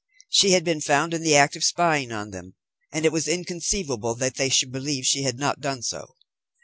She had been found in the act of spying on them, and it was inconceivable that they should believe she had not done so.